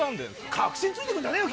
核心ついてくるんじゃねえよ